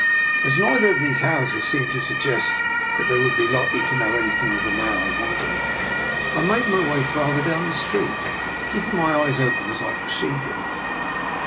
As neither of these houses seemed to suggest that they would be likely to know anything of the man I wanted, I made my way farther down the street, keeping my eyes open as I proceeded.